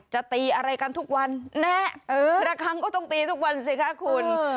จะตีอะไรกันทุกวันแน่ละครั้งก็ต้องตีทุกวันสิคะคุณ